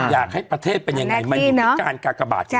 อยากให้ประเทศเป็นยังไงมันมีการกากบาทที่สิ้น